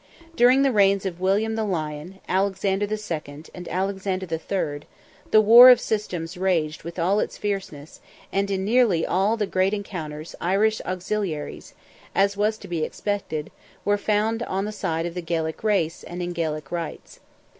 During the reigns of William the Lion, Alexander II., and Alexander III., the war of systems raged with all its fierceness, and in nearly all the great encounters Irish auxiliaries, as was to be expected, were found on the side of the Gaelic race and Gaelic rights.